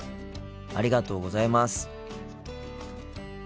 ありがとうございます。